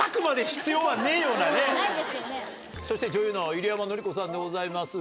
そして女優の入山法子さんでございますが。